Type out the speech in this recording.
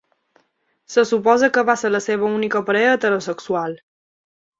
Se suposa que va ser la seva única parella heterosexual.